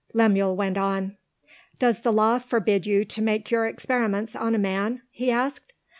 Lemuel went on. "Does the Law forbid you to make your experiments on a man?" he asked.